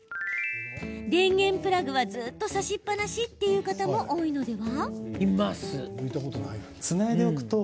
電源プラグはずっと差しっぱなしという方も多いのでは？